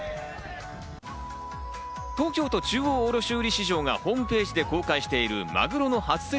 東京都中央卸売市場がホームページで公開しているマグロの初競り